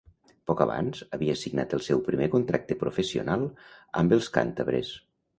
Poc abans, havia signat el seu primer contracte professional amb els càntabres.